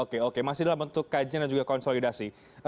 oke oke masih dalam bentuk kajian dan juga konsolidasi